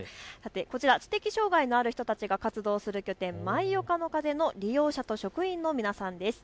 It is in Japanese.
知的障害のある人たちが活動する拠点、舞岡の風の利用者と職員の皆さんです。